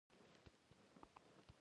د زړه نرمي رحمت راوړي.